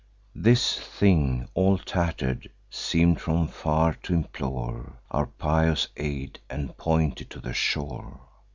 This thing, all tatter'd, seem'd from far t'implore Our pious aid, and pointed to the shore.